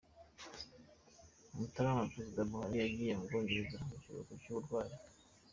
Mutarama: Perezida Buhari yagiye mu Bwongereza mu karuhuko k’ uburwayi.